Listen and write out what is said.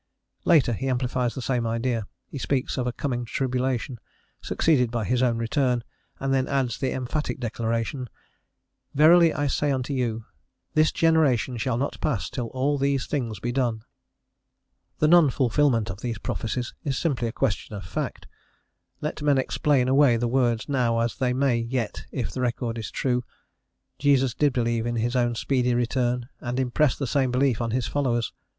Later, he amplifies the same idea: he speaks of a coming tribulation, succeeded by his own return, and then adds the emphatic declaration: "Verily I say unto you, This generation shall not pass till all these things be done." The non fulfilment of these prophecies is simply a question of fact: let men explain away the words now as they may, yet, if the record is true, Jesus did believe in his own speedy return, and impressed the same belief on his followers.